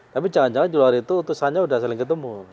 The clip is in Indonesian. tapi jangan jangan di luar itu utusannya sudah saling ketemu